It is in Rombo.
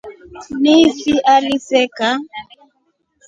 Ni fi aliseka.